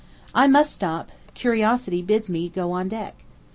I must stop: curiosity bids me go on deck.